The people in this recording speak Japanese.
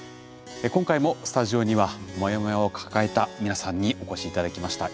今回もスタジオにはモヤモヤを抱えた皆さんにお越し頂きました。